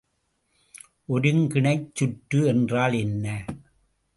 ஒருங்கிணைச்சுற்று என்றால் என்ன?